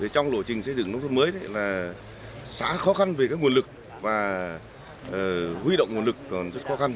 trong lộ trình xây dựng nông thuận mới xá khó khăn về nguồn lực và huy động nguồn lực còn rất khó khăn